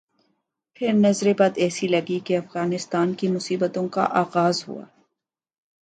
پھر نظر بد ایسی لگی کہ افغانستان کی مصیبتوں کا آغاز ہوا۔